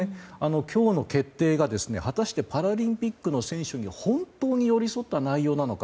今日の決定が果たしてパラリンピックの選手に本当に寄り添った内容なのか。